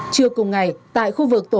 trưa cùng ngày tại khu vực tổ một mươi